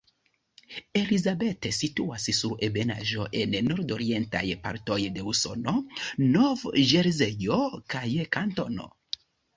Elizabeth situas sur ebenaĵo en nordorientaj partoj de Usono, Nov-Ĵerzejo kaj kantono.